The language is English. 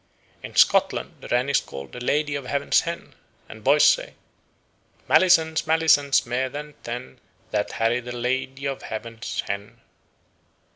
In Scotland the wren is called "the Lady of Heaven's hen," and boys say: "Malisons, malisons, mair than ten, That harry the Ladye of Heaven's hen!"